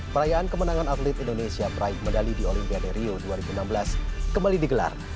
perayaan kemenangan atlet indonesia peraih medali di olimpiade rio dua ribu enam belas kembali digelar